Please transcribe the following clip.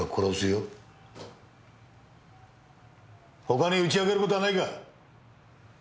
他に打ち明ける事はないか？